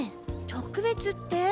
特別って？